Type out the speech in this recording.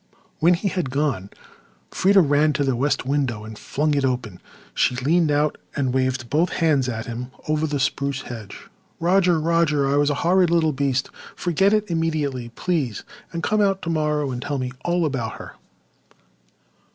When he had gone Freda ran to the west window and flung it open. She leaned out and waved both hands at him over the spruce hedge. "Roger, Roger, I was a horrid little beast. Forget it immediately, please. And come out tomorrow and tell me all about her."